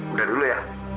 udah dulu ya